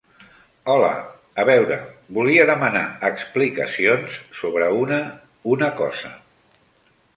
Hola, a veure, volia demanar explicacions sobre una una cosa.